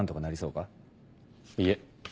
いえ。